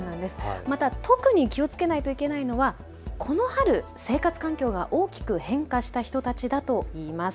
特に気をつけなきゃいけないのはこの春、生活環境が大きく変化した人たちだといいます。